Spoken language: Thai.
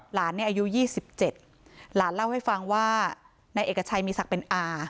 หลานเนี่ยอายุ๒๗หลานเล่าให้ฟังว่านายเอกชัยมีศักดิ์เป็นอา